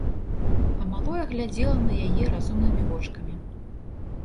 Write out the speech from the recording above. А малое глядзела на яе разумнымі вочкамі.